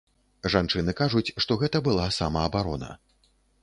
Жанчыны кажуць, што гэта была самаабарона.